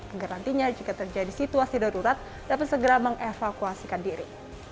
agar nantinya jika terjadi situasi darurat dapat segera mengevakuasikan diri